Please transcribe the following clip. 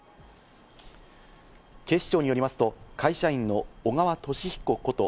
警視庁によりますと、会社員の小川俊彦こと